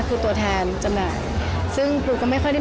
คือตัวแทนจำหน่ายซึ่งปูก็ไม่ค่อยได้